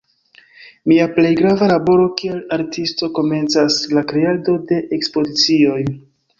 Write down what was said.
Mia plej grava laboro kiel artisto komencas: la kreado de ekspozicioj.